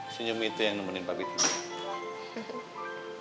senyum itu yang nemenin papi tidur